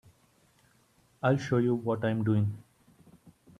I'll show you what I'm doing.